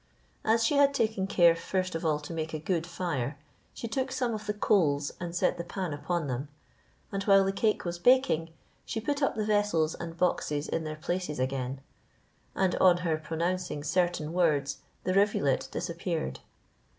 As she had taken care first of all to make a good fire, she took some of the coals, and set the pan upon them; and while the cake was baking, she put up the vessels and boxes in their places again; and on her pronouncing certain words, the rivulet disappeared.